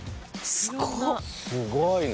すごいな。